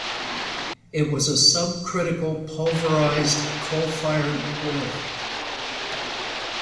It was a 'subcritical' pulverized coal-fired boiler.